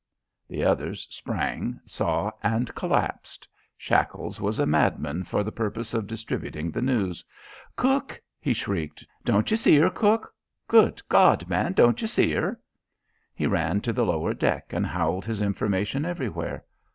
The others sprang, saw, and collapsed. Shackles was a madman for the purpose of distributing the news. "Cook!" he shrieked. "Don't you see 'er, cook? Good Gawd, man, don't you see 'er?" He ran to the lower deck and howled his information everywhere.